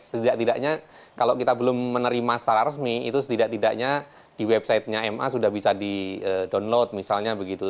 setidak tidaknya kalau kita belum menerima secara resmi itu setidak tidaknya di websitenya ma sudah bisa di download misalnya begitu